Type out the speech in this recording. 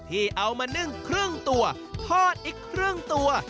ที่เอามานึ่งครึ่งตัวทอดอีกครึ่งตัว